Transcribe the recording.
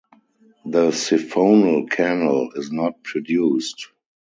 The siphonal canal is not produced.